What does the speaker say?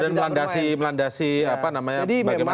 ini yang kemudian melandasi melandasi apa namanya bagaimana ada